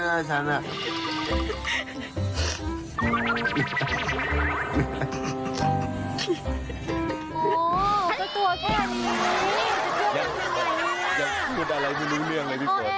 อ๋อเค้าตัวแค่นี้จะเชื่อกันไงล่ะ